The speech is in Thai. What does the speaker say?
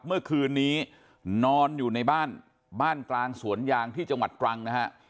เมื่อคืนนี้นอนอยู่ในบ้านบ้านกลางสวนยางที่จังหวัดตรังนะฮะ